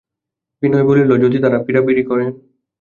বিনয় বলিল, যদি তাঁরা পীড়াপীড়ি করেন?